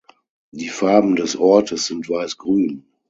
Die Farben des Ortes sind Weiß-Grün.